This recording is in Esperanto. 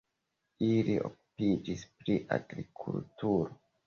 Ili okupiĝis pri agrikulturo.